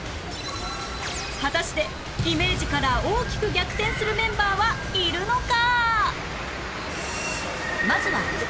果たしてイメージから大きく逆転するメンバーはいるのか？